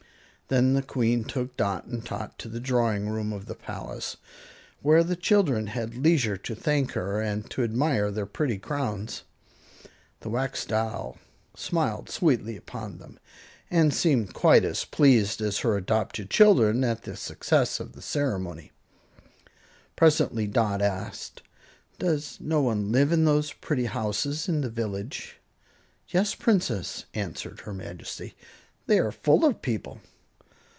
Then the Queen took Dot and Tot to the drawing room of the palace, where the children had leisure to thank her and to admire their pretty crowns. The Wax Doll smiled sweetly upon them, and seemed quite as pleased as her adopted children at the success of the ceremony. Presently Dot asked, "Does no one live in those pretty houses in the village?" "Yes, Princess," answered her Majesty; "they are full of people."